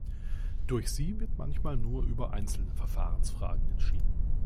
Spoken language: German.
Durch sie wird manchmal nur über einzelne Verfahrensfragen entschieden.